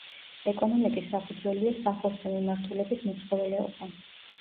ეკონომიკის საფუძველია სახორცე მიმართულების მეცხოველეობა.